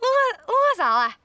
lu gak salah